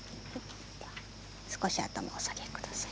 少し頭を下げてください。